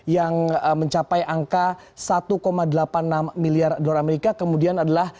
yang mencapai angka satu delapan puluh enam miliar dolar amerika kemudian adalah